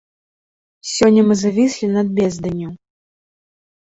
Сёння мы завіслі над безданню.